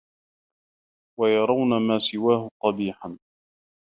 وَيَرَوْنَ مَا سِوَاهُ قَبِيحًا